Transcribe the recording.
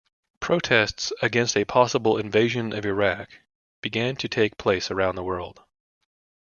Protests against a possible invasion of Iraq begin to take place around the world.